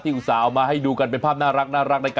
อุตส่าห์เอามาให้ดูกันเป็นภาพน่ารัก